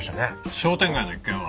商店街の一件は？